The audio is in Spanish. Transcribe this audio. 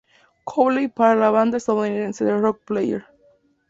Crowley para la banda estadounidense de rock Player.